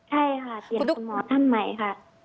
ใช่ค่ะเปลี่ยนหมอท่านใหม่ค่ะ